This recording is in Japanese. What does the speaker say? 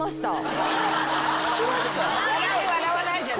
引きました？